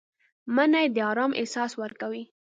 مني د آرام احساس ورکوي